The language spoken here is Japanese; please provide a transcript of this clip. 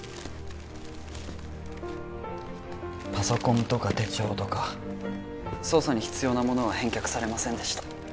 パソコンとか手帳とか捜査に必要なものは返却されませんでした